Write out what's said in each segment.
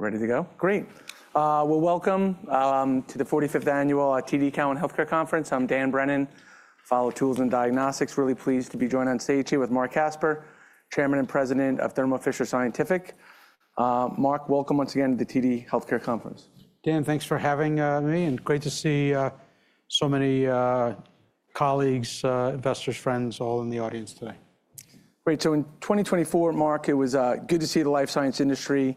Ready to go? Great. Well, welcome to the 45th Annual TD Cowen Healthcare Conference. I'm Dan Brennan, Head of Life Science Tools and Diagnostics. Really pleased to be joined on stage here with Marc Casper, Chairman and President of Thermo Fisher Scientific. Marc, welcome once again to the TD Healthcare Conference. Dan, thanks for having me. And great to see so many colleagues, investors, friends, all in the audience today. Great. So in 2024, Marc, it was good to see the life science industry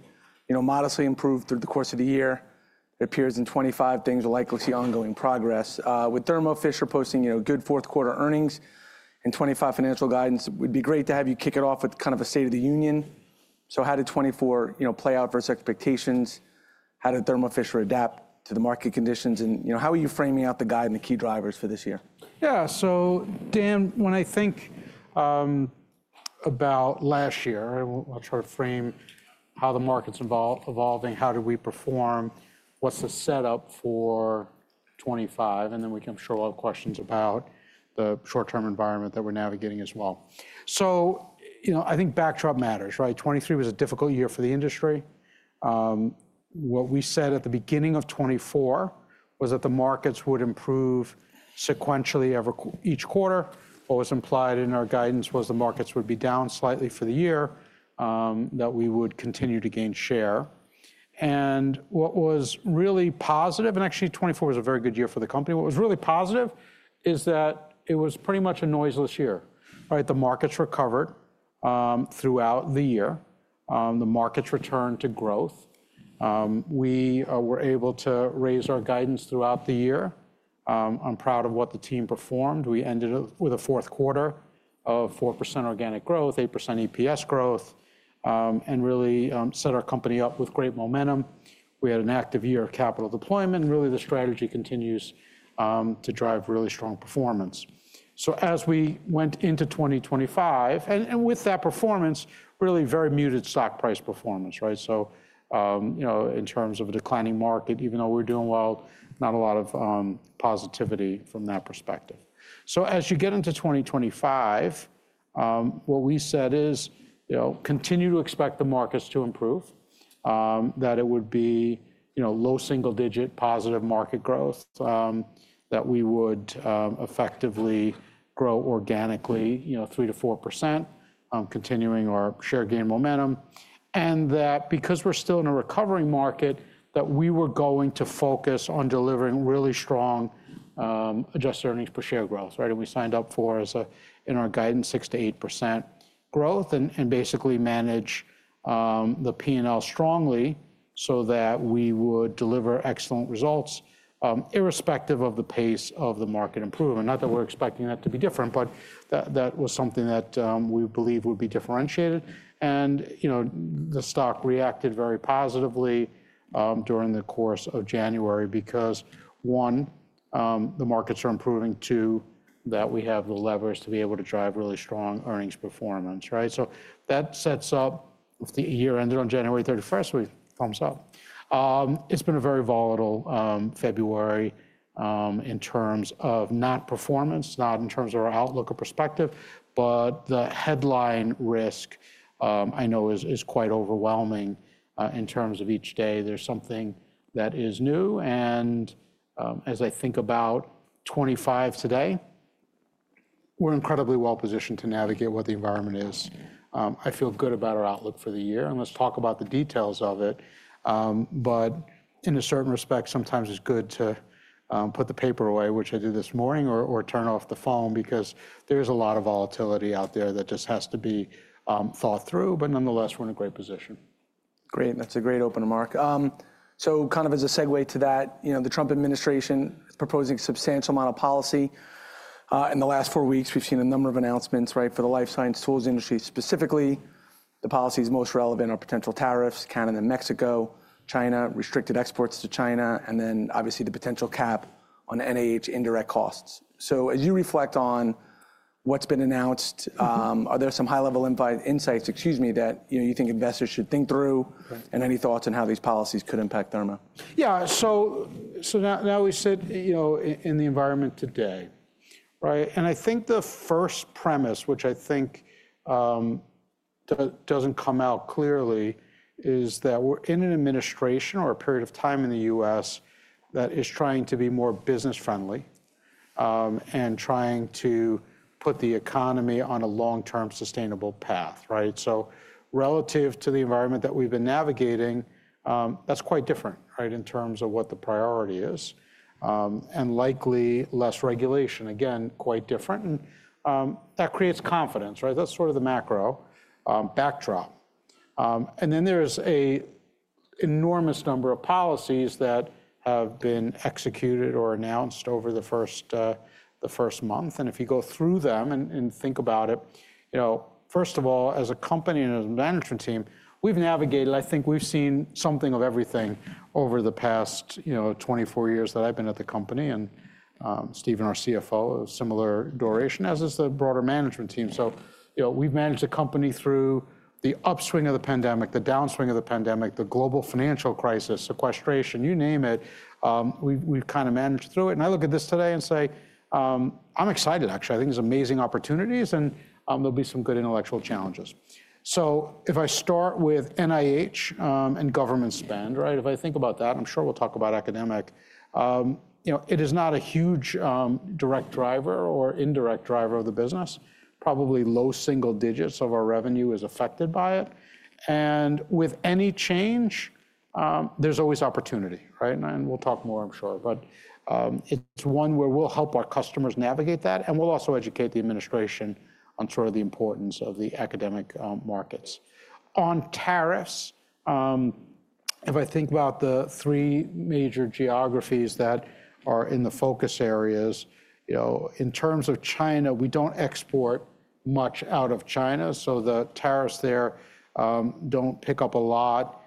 modestly improve through the course of the year. It appears in 2025 things are likely to see ongoing progress. With Thermo Fisher posting good fourth quarter earnings and 2025 financial guidance, it would be great to have you kick it off with kind of a State of the Union. So how did 2024 play out versus expectations? How did Thermo Fisher adapt to the market conditions? And how are you framing out the guide and the key drivers for this year? Yeah, so, Dan, when I think about last year, I'll try to frame how the market's evolving, how did we perform, what's the setup for 2025, and then we can field all the questions about the short-term environment that we're navigating as well, so I think backdrop matters, right? 2023 was a difficult year for the industry. What we said at the beginning of 2024 was that the markets would improve sequentially every each quarter. What was implied in our guidance was the markets would be down slightly for the year, that we would continue to gain share, and what was really positive, and actually 2024 was a very good year for the company, what was really positive is that it was pretty much a noiseless year. The markets recovered throughout the year. The markets returned to growth. We were able to raise our guidance throughout the year. I'm proud of what the team performed. We ended with a fourth quarter of 4% organic growth, 8% EPS growth, and really set our company up with great momentum. We had an active year of capital deployment. Really, the strategy continues to drive really strong performance. As we went into 2025, and with that performance, really very muted stock price performance, right? As you get into 2025, what we said is continue to expect the markets to improve, that it would be low single-digit positive market growth, that we would effectively grow organically 3%-4%, continuing our share gain momentum, and that because we're still in a recovering market, that we were going to focus on delivering really strong adjusted earnings per share growth, right? And we signed up for, as in our guidance, 6%-8% growth and basically manage the P&L strongly so that we would deliver excellent results irrespective of the pace of the market improvement. Not that we're expecting that to be different, but that was something that we believe would be differentiated. And the stock reacted very positively during the course of January because, one, the markets are improving. Two, that we have the levers to be able to drive really strong earnings performance, right? So that sets up the year ended on January 31st. Thumbs up. It's been a very volatile February in terms of not performance, not in terms of our outlook or perspective, but the headline risk I know is quite overwhelming in terms of each day. There's something that is new. As I think about 2025 today, we're incredibly well positioned to navigate what the environment is. I feel good about our outlook for the year. Let's talk about the details of it. In a certain respect, sometimes it's good to put the paper away, which I did this morning, or turn off the phone because there is a lot of volatility out there that just has to be thought through. Nonetheless, we're in a great position. Great. That's a great opener, Marc. So kind of as a segue to that, the Trump administration is proposing a substantial amount of policy. In the last four weeks, we've seen a number of announcements for the life science tools industry. Specifically, the policies most relevant are potential tariffs, Canada and Mexico, China, restricted exports to China, and then obviously the potential cap on NIH indirect costs. So as you reflect on what's been announced, are there some high-level insights, excuse me, that you think investors should think through and any thoughts on how these policies could impact Thermo? Yeah. So now we sit in the environment today, right? And I think the first premise, which I think doesn't come out clearly, is that we're in an administration or a period of time in the U.S. that is trying to be more business-friendly and trying to put the economy on a long-term sustainable path, right? So relative to the environment that we've been navigating, that's quite different in terms of what the priority is and likely less regulation. Again, quite different. And that creates confidence, right? That's sort of the macro backdrop. And then there's an enormous number of policies that have been executed or announced over the first month. If you go through them and think about it, first of all, as a company and as a management team, we've navigated. I think we've seen something of everything over the past 24 years that I've been at the company. Stephen, our CFO, of similar duration, as is the broader management team. We've managed the company through the upswing of the pandemic, the downswing of the pandemic, the global financial crisis, sequestration, you name it. We've kind of managed through it. I look at this today and say, I'm excited, actually. I think there's amazing opportunities and there'll be some good intellectual challenges. If I start with NIH and government spend, right? If I think about that, I'm sure we'll talk about academic. It is not a huge direct driver or indirect driver of the business. Probably low single digits of our revenue is affected by it. And with any change, there's always opportunity, right? And we'll talk more, I'm sure. But it's one where we'll help our customers navigate that. And we'll also educate the administration on sort of the importance of the academic markets. On tariffs, if I think about the three major geographies that are in the focus areas, in terms of China, we don't export much out of China. So the tariffs there don't pick up a lot.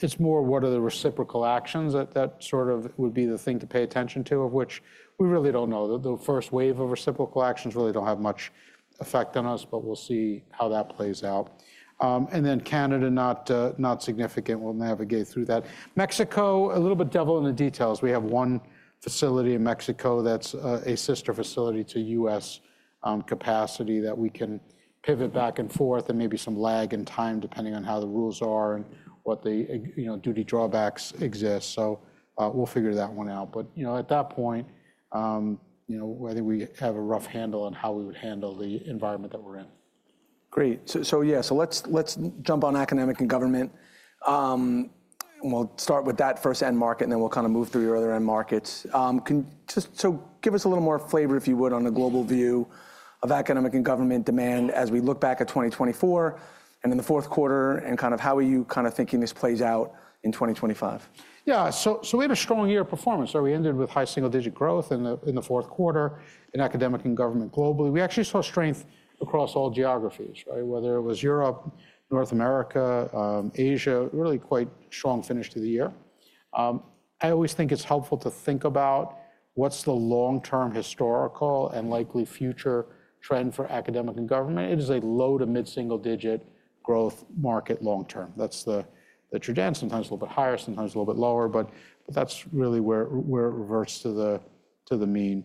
It's more what are the reciprocal actions that sort of would be the thing to pay attention to, of which we really don't know. The first wave of reciprocal actions really don't have much effect on us, but we'll see how that plays out. And then Canada, not significant, we'll navigate through that. Mexico, a little bit devil in the details. We have one facility in Mexico that's a sister facility to U.S. capacity that we can pivot back and forth and maybe some lag in time depending on how the rules are and what the duty drawbacks exist. So we'll figure that one out. But at that point, I think we have a rough handle on how we would handle the environment that we're in. Great. So yeah, so let's jump on academic and government. We'll start with that first end market, and then we'll kind of move through your other end markets. So give us a little more flavor, if you would, on the global view of academic and government demand as we look back at 2024 and in the fourth quarter and kind of how are you kind of thinking this plays out in 2025? Yeah. So we had a strong year of performance. We ended with high single-digit growth in the fourth quarter in academic and government globally. We actually saw strength across all geographies, right? Whether it was Europe, North America, Asia, really quite strong finish to the year. I always think it's helpful to think about what's the long-term historical and likely future trend for academic and government. It is a low to mid-single-digit growth market long-term. That's the true dance. Sometimes a little bit higher, sometimes a little bit lower, but that's really where it reverts to the mean.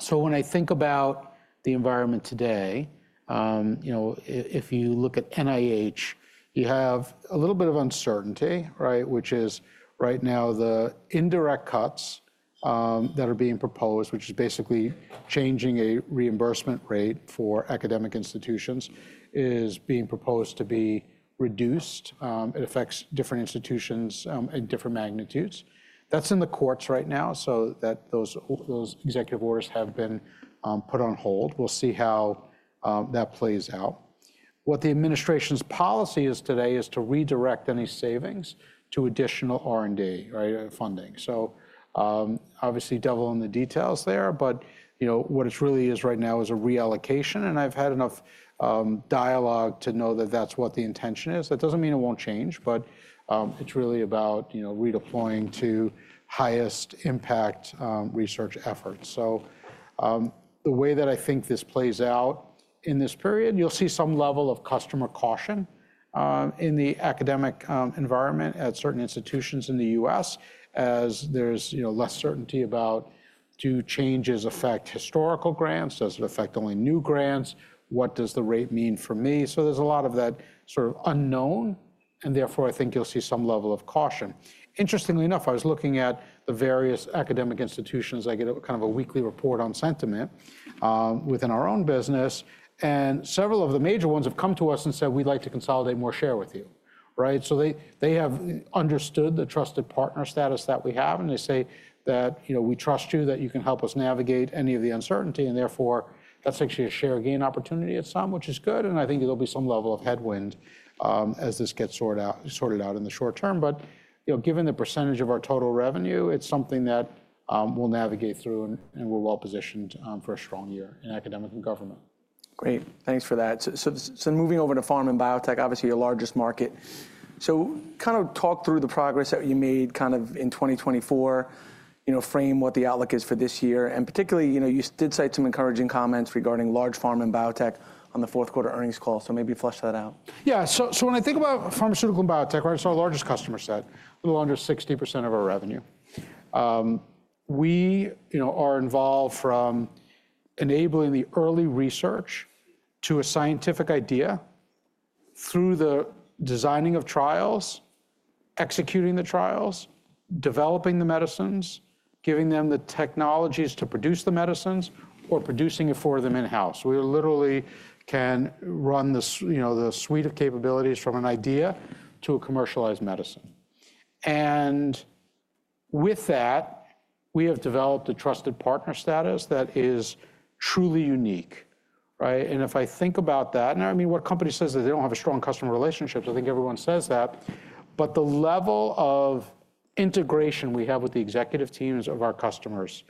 So when I think about the environment today, if you look at NIH, you have a little bit of uncertainty, right? Which is right now the indirect cuts that are being proposed, which is basically changing a reimbursement rate for academic institutions, is being proposed to be reduced. It affects different institutions at different magnitudes. That's in the courts right now so that those executive orders have been put on hold. We'll see how that plays out. What the administration's policy is today is to redirect any savings to additional R&D funding, so obviously devil in the details there, but what it really is right now is a reallocation, and I've had enough dialogue to know that that's what the intention is. That doesn't mean it won't change, but it's really about redeploying to highest impact research efforts, so the way that I think this plays out in this period, you'll see some level of customer caution in the academic environment at certain institutions in the U.S. as there's less certainty about do changes affect historical grants, does it affect only new grants, what does the rate mean for me. So there's a lot of that sort of unknown. And therefore, I think you'll see some level of caution. Interestingly enough, I was looking at the various academic institutions. I get kind of a weekly report on sentiment within our own business. And several of the major ones have come to us and said, we'd like to consolidate more share with you, right? So they have understood the trusted partner status that we have. And they say that we trust you, that you can help us navigate any of the uncertainty. And therefore, that's actually a share gain opportunity at some, which is good. And I think there'll be some level of headwind as this gets sorted out in the short term. But given the percentage of our total revenue, it's something that we'll navigate through and we're well positioned for a strong year in academic and government. Great. Thanks for that. So moving over to pharma and biotech, obviously your largest market. So kind of talk through the progress that you made kind of in 2024, frame what the outlook is for this year. And particularly, you did cite some encouraging comments regarding large pharma and biotech on the fourth quarter earnings call. So maybe flesh that out. Yeah. So when I think about pharmaceutical and biotech, right, it's our largest customer set, a little under 60% of our revenue. We are involved from enabling the early research to a scientific idea through the designing of trials, executing the trials, developing the medicines, giving them the technologies to produce the medicines, or producing it for them in-house. We literally can run the suite of capabilities from an idea to a commercialized medicine. And with that, we have developed a trusted partner status that is truly unique, right? And if I think about that, and I mean, what a company says is they don't have a strong customer relationship. I think everyone says that. But the level of integration we have with the executive teams of our customers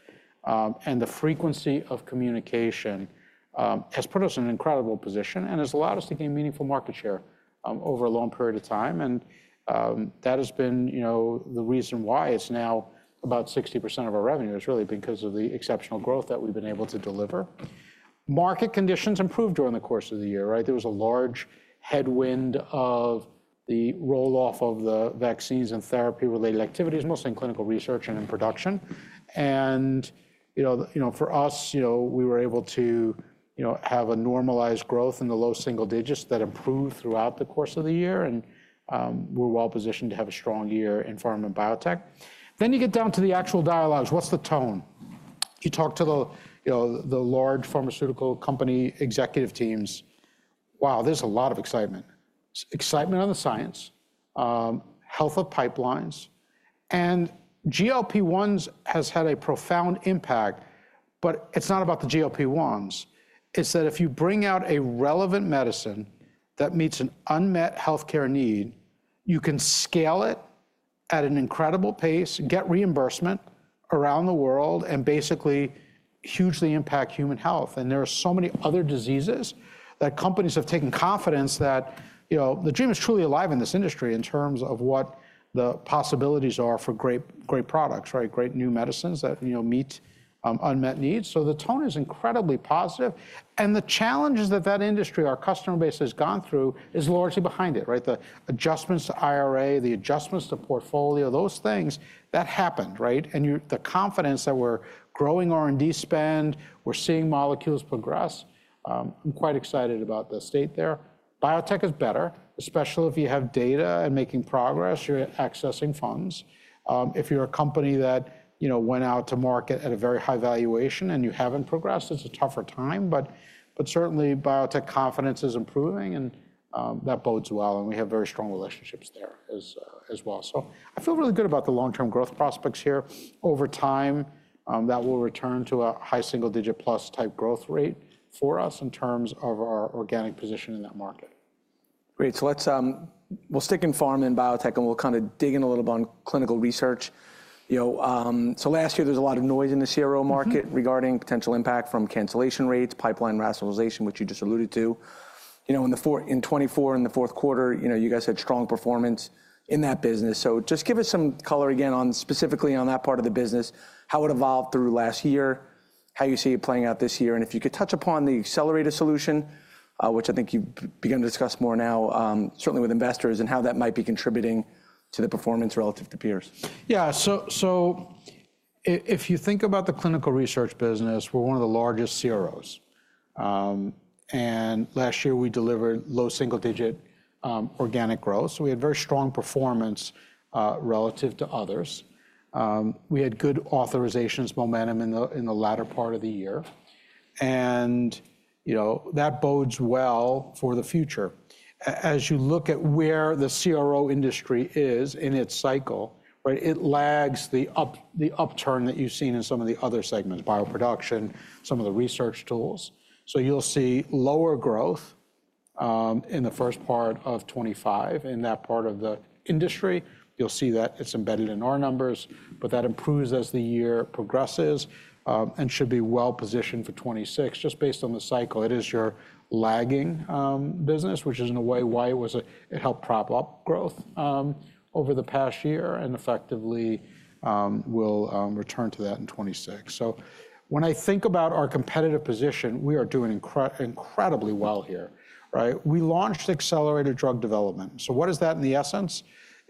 and the frequency of communication has put us in an incredible position and has allowed us to gain meaningful market share over a long period of time. And that has been the reason why it's now about 60% of our revenue, is really because of the exceptional growth that we've been able to deliver. Market conditions improved during the course of the year, right? There was a large headwind of the rolloff of the vaccines and therapy-related activities, mostly in clinical research and in production. And for us, we were able to have a normalized growth in the low single digits that improved throughout the course of the year. And we're well positioned to have a strong year in pharma and biotech. Then you get down to the actual dialogues. What's the tone? You talk to the large pharmaceutical company executive teams. Wow, there's a lot of excitement. Excitement on the science, health of pipelines, and GLP-1s has had a profound impact, but it's not about the GLP-1s. It's that if you bring out a relevant medicine that meets an unmet healthcare need, you can scale it at an incredible pace, get reimbursement around the world, and basically hugely impact human health, and there are so many other diseases that companies have taken confidence that the dream is truly alive in this industry in terms of what the possibilities are for great products, right? Great new medicines that meet unmet needs, so the tone is incredibly positive, and the challenges that that industry, our customer base, has gone through is largely behind it, right? The adjustments to IRA, the adjustments to portfolio, those things that happened, right? And the confidence that we're growing R&D spend. We're seeing molecules progress. I'm quite excited about the state there. Biotech is better, especially if you have data and making progress, you're accessing funds. If you're a company that went out to market at a very high valuation and you haven't progressed, it's a tougher time. But certainly, biotech confidence is improving and that bodes well. And we have very strong relationships there as well. So I feel really good about the long-term growth prospects here. Over time, that will return to a high single digit plus type growth rate for us in terms of our organic position in that market. Great, so we'll stick in pharma and biotech and we'll kind of dig in a little bit on clinical research. So last year, there was a lot of noise in the CRO market regarding potential impact from cancellation rates, pipeline rationalization, which you just alluded to. In 2024 and the fourth quarter, you guys had strong performance in that business, so just give us some color again specifically on that part of the business, how it evolved through last year, how you see it playing out this year, and if you could touch upon the accelerator solution, which I think you've begun to discuss more now, certainly with investors, and how that might be contributing to the performance relative to peers. Yeah. So if you think about the clinical research business, we're one of the largest CROs. And last year, we delivered low single digit organic growth. So we had very strong performance relative to others. We had good authorizations momentum in the latter part of the year. And that bodes well for the future. As you look at where the CRO industry is in its cycle, right, it lags the upturn that you've seen in some of the other segments, bioproduction, some of the research tools. So you'll see lower growth in the first part of 2025 in that part of the industry. You'll see that it's embedded in our numbers, but that improves as the year progresses and should be well positioned for 2026 just based on the cycle. It is your lagging business, which is in a way why it helped prop up growth over the past year and effectively will return to that in 2026, so when I think about our competitive position, we are doing incredibly well here, right? We launched Accelerator Drug Development, so what is that in the essence?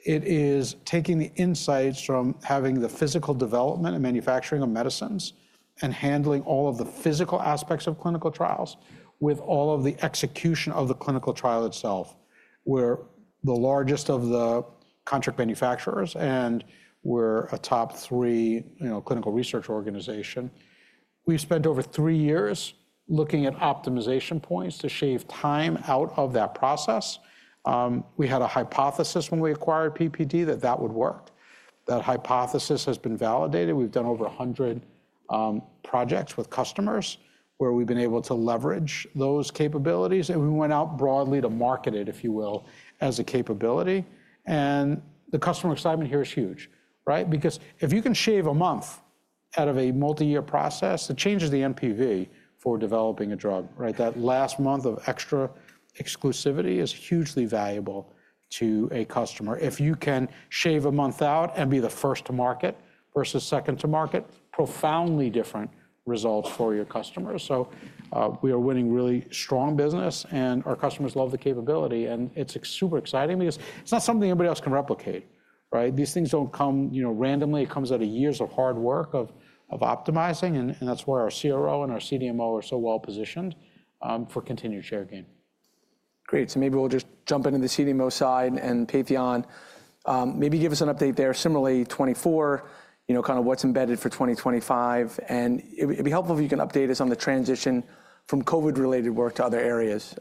It is taking the insights from having the physical development and manufacturing of medicines and handling all of the physical aspects of clinical trials with all of the execution of the clinical trial itself. We're the largest of the contract manufacturers and we're a top three clinical research organization. We've spent over three years looking at optimization points to shave time out of that process. We had a hypothesis when we acquired PPD that that would work. That hypothesis has been validated. We've done over a hundred projects with customers where we've been able to leverage those capabilities. And we went out broadly to market it, if you will, as a capability. And the customer excitement here is huge, right? Because if you can shave a month out of a multi-year process, it changes the NPV for developing a drug, right? That last month of extra exclusivity is hugely valuable to a customer. If you can shave a month out and be the first to market versus second to market, profoundly different results for your customers. So we are winning really strong business and our customers love the capability. And it's super exciting because it's not something anybody else can replicate, right? These things don't come randomly. It comes out of years of hard work of optimizing. That's why our CRO and our CDMO are so well positioned for continued share gain. Great. So maybe we'll just jump into the CDMO side and Patheon. Maybe give us an update there. Similarly, 2024, kind of what's embedded for 2025. And it'd be helpful if you can update us on the transition from COVID-related work to other areas.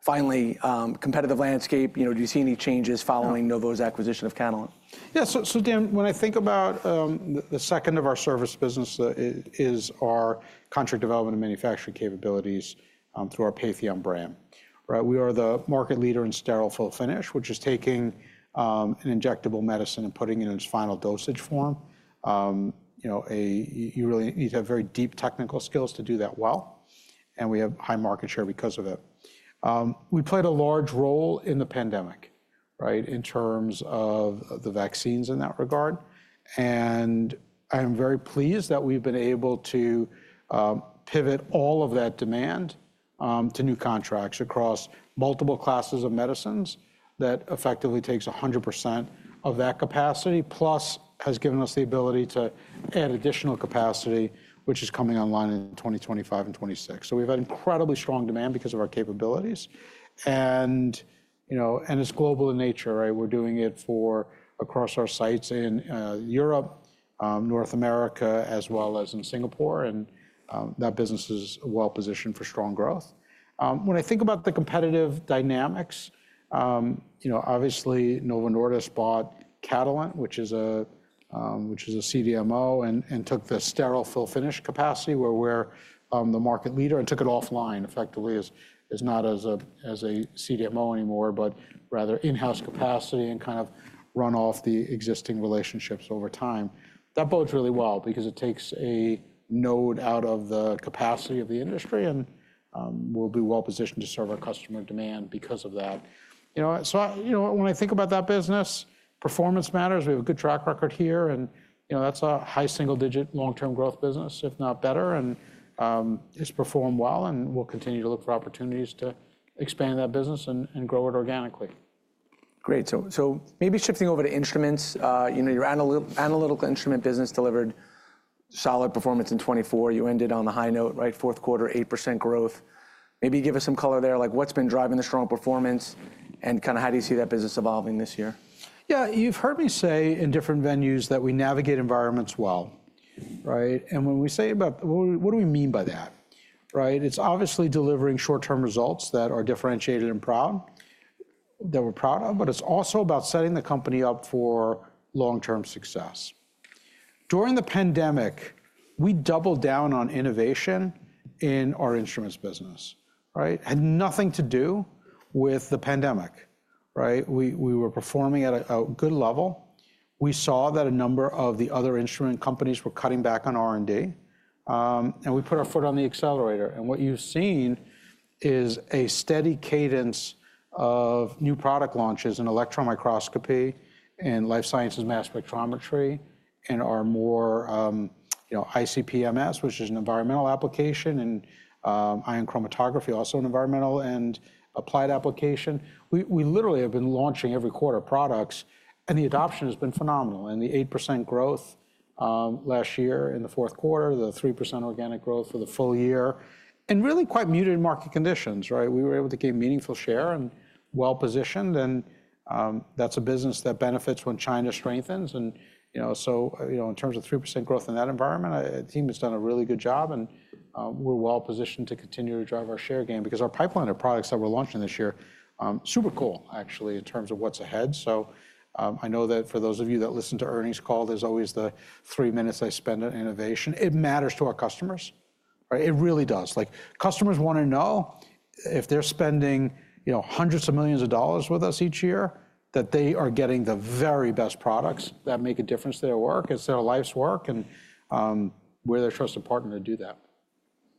Finally, competitive landscape, do you see any changes following Novo's acquisition of Catalent? Yeah. So Dan, when I think about the second of our service business, it is our contract development and manufacturing capabilities through our Patheon brand, right? We are the market leader in sterile fill-finish, which is taking an injectable medicine and putting it in its final dosage form. You really need to have very deep technical skills to do that well. And we have high market share because of it. We played a large role in the pandemic, right, in terms of the vaccines in that regard. And I'm very pleased that we've been able to pivot all of that demand to new contracts across multiple classes of medicines that effectively takes 100% of that capacity, plus has given us the ability to add additional capacity, which is coming online in 2025 and 2026. So we've had incredibly strong demand because of our capabilities. And it's global in nature, right? We're doing it across our sites in Europe, North America, as well as in Singapore. And that business is well positioned for strong growth. When I think about the competitive dynamics, obviously, Novo Nordisk bought Catalent, which is a CDMO, and took the sterile fill-finish capacity where we're the market leader and took it offline. Effectively, it's not as a CDMO anymore, but rather in-house capacity and kind of run off the existing relationships over time. That bodes really well because it takes a node out of the capacity of the industry and we'll be well positioned to serve our customer demand because of that. So when I think about that business, performance matters. We have a good track record here. And that's a high single digit long-term growth business, if not better. And it's performed well. We'll continue to look for opportunities to expand that business and grow it organically. Great. So maybe shifting over to instruments. Your analytical instrument business delivered solid performance in 2024. You ended on the high note, right? Fourth quarter, 8% growth. Maybe give us some color there, like what's been driving the strong performance and kind of how do you see that business evolving this year? Yeah. You've heard me say in different venues that we navigate environments well, right? When we say about what do we mean by that, right? It's obviously delivering short-term results that are differentiated and proud that we're proud of, but it's also about setting the company up for long-term success. During the pandemic, we doubled down on innovation in our instruments business, right? Had nothing to do with the pandemic, right? We were performing at a good level. We saw that a number of the other instrument companies were cutting back on R&D, and we put our foot on the accelerator. And what you've seen is a steady cadence of new product launches in electron microscopy and life sciences mass spectrometry and our core ICP-MS, which is an environmental application, and ion chromatography, also an environmental and applied application. We literally have been launching every quarter products. The adoption has been phenomenal. The 8% growth last year in the fourth quarter, the 3% organic growth for the full year, and really quite muted market conditions, right? We were able to gain meaningful share and well positioned. That's a business that benefits when China strengthens, so in terms of 3% growth in that environment, the team has done a really good job. We're well positioned to continue to drive our share gain because our pipeline of products that we're launching this year, super cool actually in terms of what's ahead. I know that for those of you that listen to earnings call, there's always the three minutes I spend on innovation. It matters to our customers, right? It really does. Customers want to know if they're spending hundreds of millions of dollars with us each year, that they are getting the very best products that make a difference to their work, instead of life's work, and where they trust a partner to do that.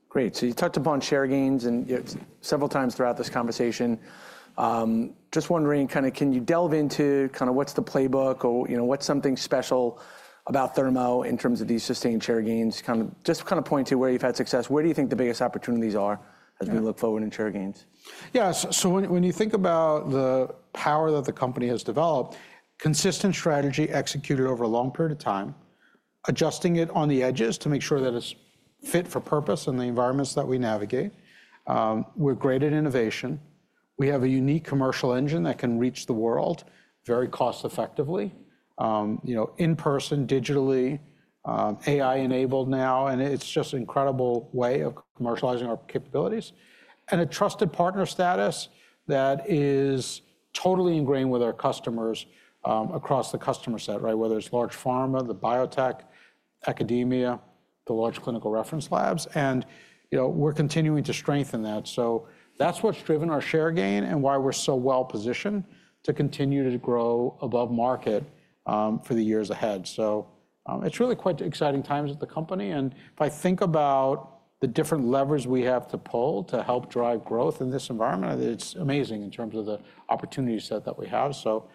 Great. So you touched upon share gains several times throughout this conversation. Just wondering, kind of can you delve into kind of what's the playbook or what's something special about Thermo in terms of these sustained share gains, kind of just kind of point to where you've had success? Where do you think the biggest opportunities are as we look forward in share gains? Yeah. So when you think about the power that the company has developed, consistent strategy executed over a long period of time, adjusting it on the edges to make sure that it's fit for purpose in the environments that we navigate. We're great at innovation. We have a unique commercial engine that can reach the world very cost-effectively, in person, digitally, AI-enabled now. And it's just an incredible way of commercializing our capabilities and a trusted partner status that is totally ingrained with our customers across the customer set, right? Whether it's large pharma, the biotech, academia, the large clinical reference labs. And we're continuing to strengthen that. So that's what's driven our share gain and why we're so well positioned to continue to grow above market for the years ahead. So it's really quite exciting times at the company. And if I think about the different levers we have to pull to help drive growth in this environment, it's amazing in terms of the opportunity set that we have. So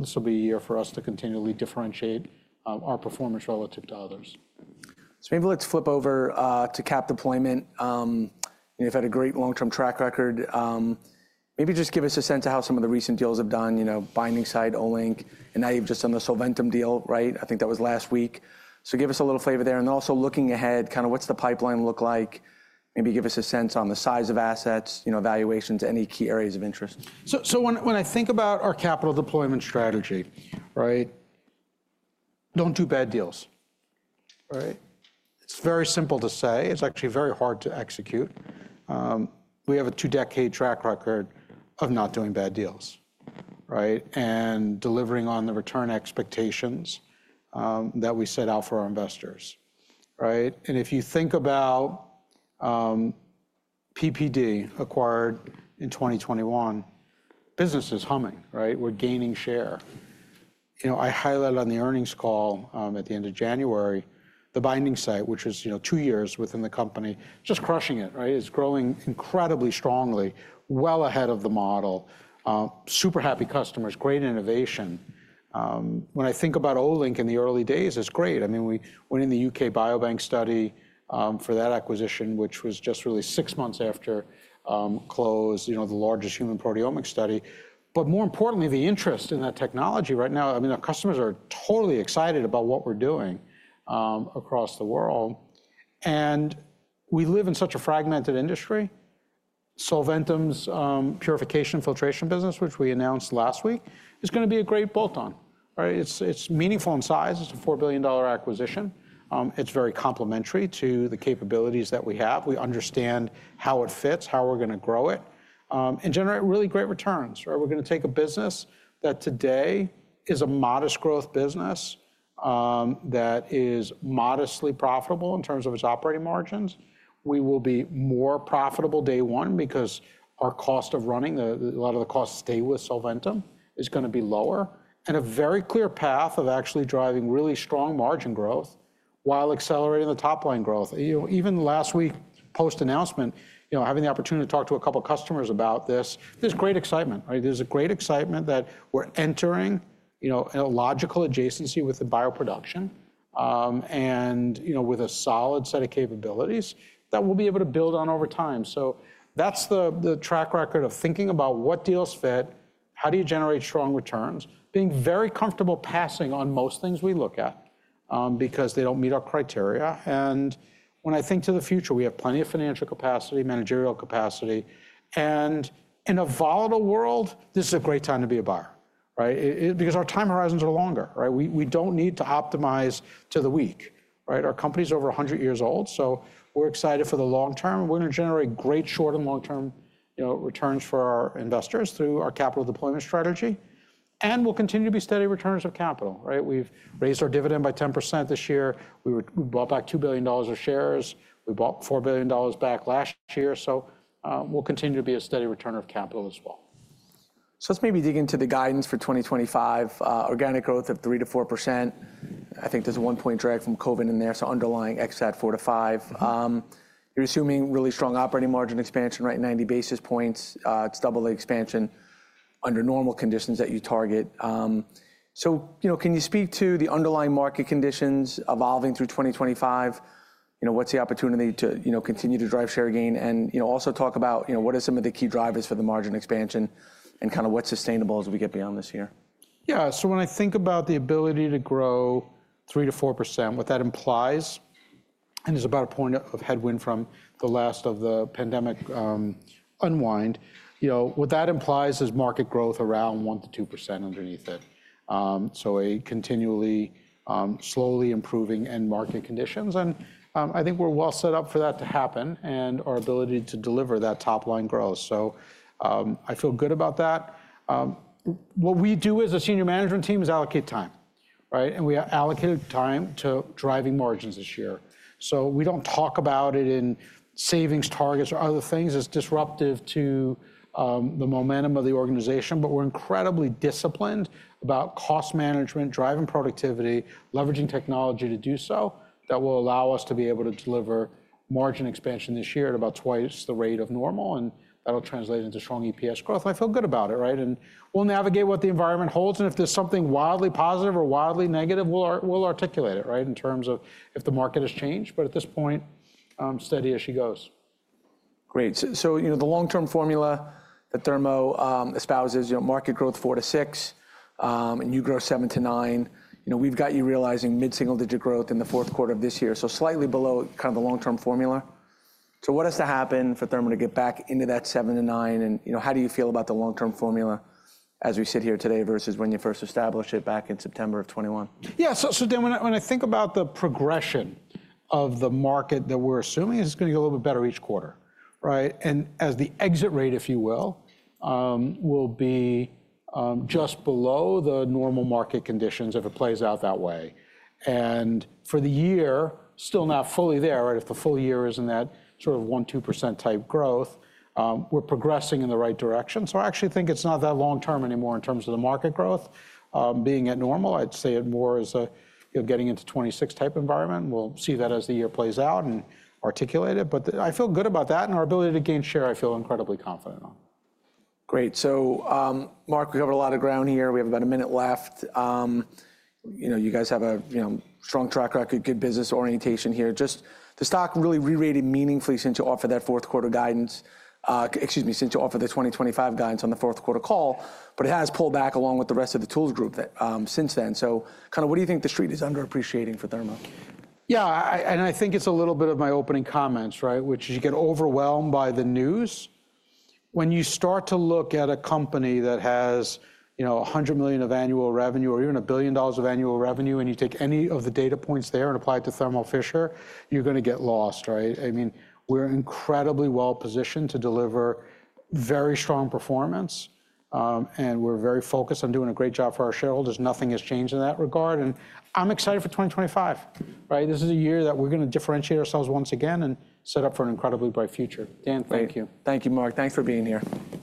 this will be a year for us to continually differentiate our performance relative to others. So maybe let's flip over to cap deployment. You've had a great long-term track record. Maybe just give us a sense of how some of the recent deals have done, Binding Site, Olink, and now you've just done the Solventum deal, right? I think that was last week. So give us a little flavor there. And also looking ahead, kind of what's the pipeline look like? Maybe give us a sense on the size of assets, valuations, any key areas of interest. So when I think about our capital deployment strategy, right, don't do bad deals, right? It's very simple to say. It's actually very hard to execute. We have a two-decade track record of not doing bad deals, right, and delivering on the return expectations that we set out for our investors, right? And if you think about PPD acquired in 2021, business is humming, right? We're gaining share. I highlighted on the earnings call at the end of January, the Binding Site, which was two years within the company, just crushing it, right? It's growing incredibly strongly, well ahead of the model, super happy customers, great innovation. When I think about Olink in the early days, it's great. I mean, we went in the UK Biobank study for that acquisition, which was just really six months after close, the largest human proteomics study. But more importantly, the interest in that technology right now, I mean, our customers are totally excited about what we're doing across the world. And we live in such a fragmented industry. Solventum's purification filtration business, which we announced last week, is going to be a great bolt-on, right? It's meaningful in size. It's a $4 billion acquisition. It's very complementary to the capabilities that we have. We understand how it fits, how we're going to grow it, and generate really great returns, right? We're going to take a business that today is a modest growth business that is modestly profitable in terms of its operating margins. We will be more profitable day one because our cost of running, a lot of the cost to stay with Solventum, is going to be lower and a very clear path of actually driving really strong margin growth while accelerating the top line growth. Even last week, post-announcement, having the opportunity to talk to a couple of customers about this, there's great excitement, right? There's a great excitement that we're entering a logical adjacency with the bioproduction and with a solid set of capabilities that we'll be able to build on over time. So that's the track record of thinking about what deals fit, how do you generate strong returns, being very comfortable passing on most things we look at because they don't meet our criteria, and when I think to the future, we have plenty of financial capacity, managerial capacity. In a volatile world, this is a great time to be a buyer, right? Because our time horizons are longer, right? We don't need to optimize to the week, right? Our company's over 100 years old. We're excited for the long term. We're going to generate great short and long-term returns for our investors through our capital deployment strategy. We'll continue to be steady returns of capital, right? We've raised our dividend by 10% this year. We bought back $2 billion of shares. We bought $4 billion back last year. We'll continue to be a steady return of capital as well. So let's maybe dig into the guidance for 2025, organic growth of 3%-4%. I think there's a one-point drag from COVID in there. So underlying ex-COVID 4%-5%. You're assuming really strong operating margin expansion, right? 90 basis points. It's double the expansion under normal conditions that you target. So can you speak to the underlying market conditions evolving through 2025? What's the opportunity to continue to drive share gain? And also talk about what are some of the key drivers for the margin expansion and kind of what's sustainable as we get beyond this year? Yeah. So when I think about the ability to grow 3%-4%, what that implies, and it's about a point of headwind from the last of the pandemic unwind, what that implies is market growth around 1%-2% underneath it. So a continually slowly improving end market conditions. And I think we're well set up for that to happen and our ability to deliver that top line growth. So I feel good about that. What we do as a senior management team is allocate time, right? And we allocated time to driving margins this year. So we don't talk about it in savings targets or other things. It's disruptive to the momentum of the organization. But we're incredibly disciplined about cost management, driving productivity, leveraging technology to do so that will allow us to be able to deliver margin expansion this year at about twice the rate of normal. And that'll translate into strong EPS growth. And I feel good about it, right? And we'll navigate what the environment holds. And if there's something wildly positive or wildly negative, we'll articulate it, right, in terms of if the market has changed. But at this point, steady as she goes. Great. So the long-term formula that Thermo espouses, market growth 4%-6%, and you grow 7%-9%. We've got you realizing mid-single digit growth in the fourth quarter of this year. So slightly below kind of the long-term formula. So what has to happen for Thermo to get back into that 7%-9%? And how do you feel about the long-term formula as we sit here today versus when you first established it back in September of 2021? Yeah. So then when I think about the progression of the market that we're assuming, it's going to get a little bit better each quarter, right? And as the exit rate, if you will, will be just below the normal market conditions if it plays out that way. And for the year, still not fully there, right? If the full year is in that sort of 1%, 2% type growth, we're progressing in the right direction. So I actually think it's not that long-term anymore in terms of the market growth being at normal. I'd say it more as a getting into 26-type environment. We'll see that as the year plays out and articulate it. But I feel good about that. And our ability to gain share, I feel incredibly confident on. Great. So Marc, we covered a lot of ground here. We have about a minute left. You guys have a strong track record, good business orientation here. Just the stock really re-rated meaningfully since you offered that fourth quarter guidance, excuse me, since you offered the 2025 guidance on the fourth quarter call. But it has pulled back along with the rest of the tools group since then. So kind of what do you think the Street is underappreciating for Thermo? Yeah. And I think it's a little bit of my opening comments, right, which is you get overwhelmed by the news. When you start to look at a company that has $100 million of annual revenue or even $1 billion of annual revenue, and you take any of the data points there and apply it to Thermo Fisher, you're going to get lost, right? I mean, we're incredibly well positioned to deliver very strong performance. And we're very focused on doing a great job for our shareholders. Nothing has changed in that regard. And I'm excited for 2025, right? This is a year that we're going to differentiate ourselves once again and set up for an incredibly bright future. Dan, thank you. Thank you, Marc. Thanks for being here.